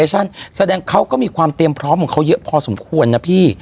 แสดงเขาก็มีความเตรียมพร้อมของเขาเยอะพอสมควรนะพี่